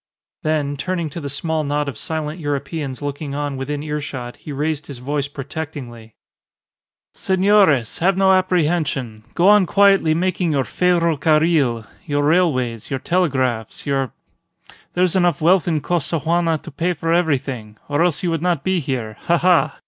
Then, turning to the small knot of silent Europeans looking on within earshot, he raised his voice protectingly "Senores, have no apprehension. Go on quietly making your Ferro Carril your railways, your telegraphs. Your There's enough wealth in Costaguana to pay for everything or else you would not be here. Ha! ha!